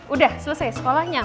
udah selesai sekolahnya